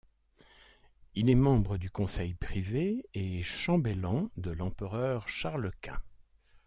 Il est membre du conseil privé et chambellan de l'Empereur Charles Quint.